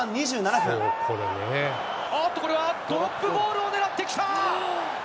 おっと、これは、ドロップゴールを狙ってきた。